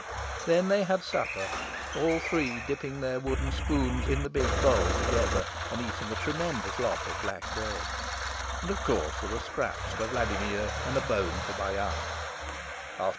Then they had supper, all three dipping their wooden spoons in the big bowl together, and eating a tremendous lot of black bread. And, of course, there were scraps for Vladimir and a bone for Bayan.